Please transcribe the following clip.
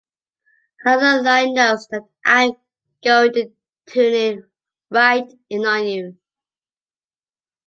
Another line notes that I'm going to tune right in on you.